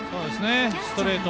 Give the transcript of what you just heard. ストレート